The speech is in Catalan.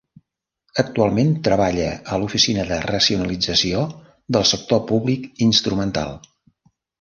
Actualment treballa a l'Oficina de Racionalització del Sector Públic Instrumental.